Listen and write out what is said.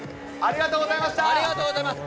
ありがとうございます。